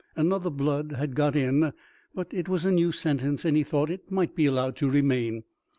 Another "blood" had got in, but it was a new sentence and he thought it might be allowed to remain.